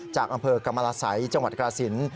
จากอำเภอกรรมรสัยจังหวัดกราศิลป์